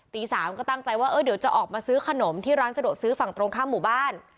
๓ก็ตั้งใจว่าเดี๋ยวจะออกมาซื้อขนมที่ร้านสะดวกซื้อฝั่งตรงข้ามหมู่บ้าน